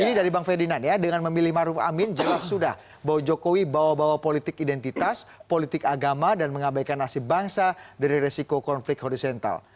ini dari bang ferdinand ya dengan memilih maruf amin jelas sudah bahwa jokowi bawa bawa politik identitas politik agama dan mengabaikan nasib bangsa dari resiko konflik horizontal